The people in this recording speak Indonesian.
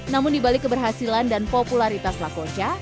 namun di balik keberhasilan dan popularitas lakocha